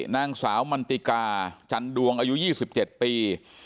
นางสาวมันติกาจันดวงอายุ๒๗ปี